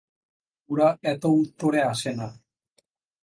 ওরা এত উত্তরে আসে না।